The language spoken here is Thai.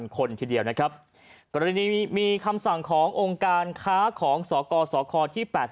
คนทีเดียวนะครับกรณีมีคำสั่งขององค์การค้าของสกสคที่๘๔